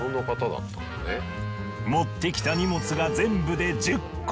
持ってきた荷物が全部で１０個。